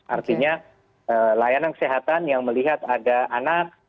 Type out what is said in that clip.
artinya layanan kesehatan yang melihat ada anak